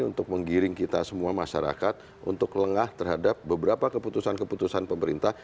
untuk menggiring kita semua masyarakat untuk lengah terhadap beberapa keputusan keputusan pemerintah